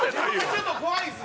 ちょっと怖いです。